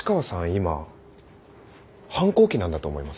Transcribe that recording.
今反抗期なんだと思います。